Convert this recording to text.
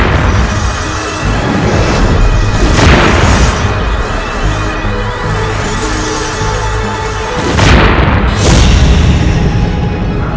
dan apa yang akan